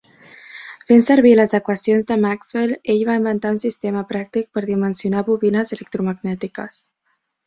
Fent servir les equacions de Maxwell ell va inventar un sistema pràctic per dimensionar bobines electromagnètiques.